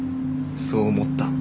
そう思った。